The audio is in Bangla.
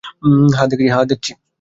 হ্যাঁ, দেখছি।